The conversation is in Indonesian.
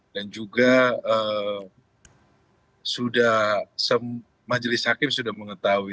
dan juga majelis hakim sudah mengetahui